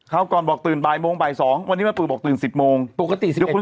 เค้าก่อนบอกตื่นบ่ายโมงบ่ายสองวันนี้มันตื่นบอกตื่นสิบโมงปกติสิบเอ็ดโมง